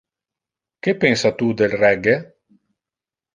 Que pensa tu del reggae?